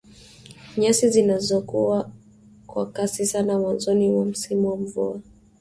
Nyasi zinazokua kwa kasi sana mwanzoni mwa msimu wa mvua